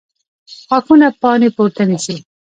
ښاخونه پاڼې پورته نیسي